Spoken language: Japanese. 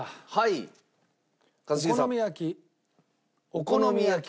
お好み焼き。